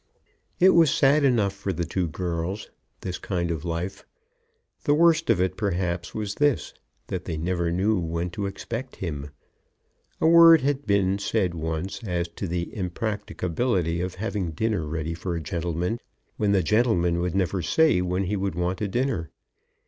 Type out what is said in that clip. It was sad enough for the two girls, this kind of life. The worst of it, perhaps, was this; that they never knew when to expect him. A word had been said once as to the impracticability of having dinner ready for a gentleman, when the gentleman would never say whether he would want a dinner.